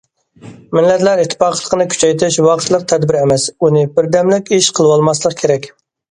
مىللەتلەر ئىتتىپاقلىقىنى كۈچەيتىش ۋاقىتلىق تەدبىر ئەمەس، ئۇنى بىردەملىك ئىش قىلىۋالماسلىق كېرەك.